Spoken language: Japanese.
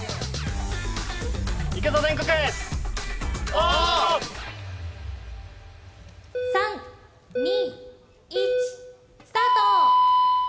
オ！３２１スタート！